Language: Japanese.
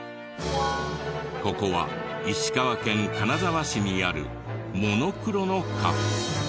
ここは石川県金沢市にあるモノクロのカフェ。